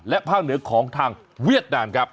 และภาคเหนือของทางเวียดนามครับ